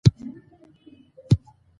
او پښتو د خبرو کولو ژبه شي